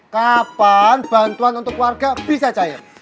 kapan bantuan untuk warga bisa cair